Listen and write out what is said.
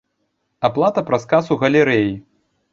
Аплата праз касу галерэі.